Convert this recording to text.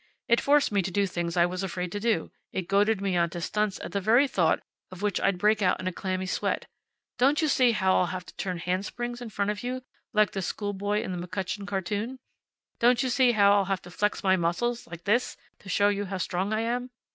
It forced me to do things I was afraid to do. It goaded me on to stunts at the very thought of which I'd break out in a clammy sweat. Don't you see how I'll have to turn handsprings in front of you, like the school boy in the McCutcheon cartoon? Don't you see how I'll have to flex my muscles like this to show you how strong I am?